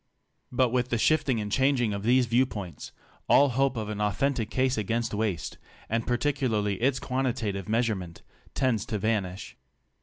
But with the shifting and changing of these viewpoints, all hope of an authentic case against waste — and particularly its quantitative measurement — tends to vanish.